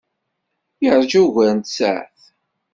Yeṛja ugar n tsaɛet.